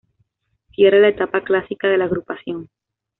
Cierra la etapa clásica de la agrupación.